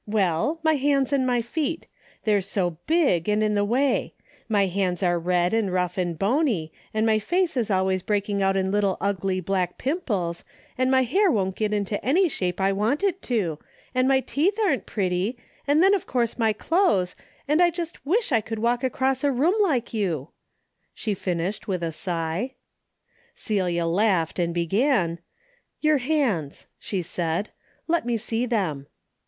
Well, my hands and my feet. They're so big, and in the way. My hands are red and rough and bony, and my face is al ways breaking out in little ugly black pimples, and my hair won't get into any shape I Avant it to, and my teeth aren't pretty, and then of course my clothes, and I just wish I could walk across a room like you," she finished with a sigh. 232 A DAILY BATEA' 233 Celia laughed and began, "Your hands," she said, "let me see them."